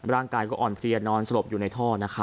ร่างกายก็อ่อนเวลียนนอนสลบอยู่ในท่อ